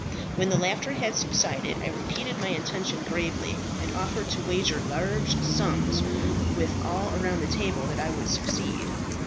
When the laughter had subsided I repeated my intention gravely, and offered to wager large sums with all around the table that I would succeed.